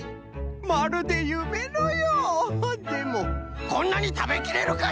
まるでゆめのようでもこんなにたべきれるかしら！？